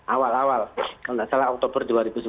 awal awal kalau tidak salah oktober dua ribu sembilan belas